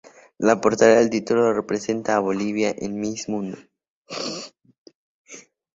La portadora del título, representa a Bolivia en el Miss Mundo.